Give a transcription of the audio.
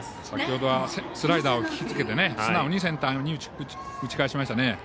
先ほどはスライダーを引きつけて素直にセンターに打ち返しました。